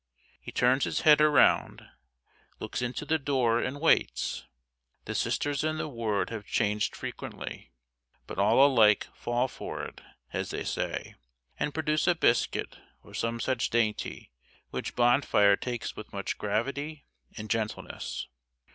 He turns his head around, looks into the door, and waits. The Sisters in the ward have changed frequently, but all alike "fall for it", as they say, and produce a biscuit or some such dainty which Bonfire takes with much gravity and gentleness.